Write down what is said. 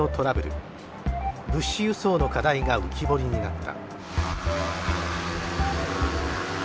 物資輸送の課題が浮き彫りになった。